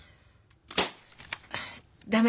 駄目。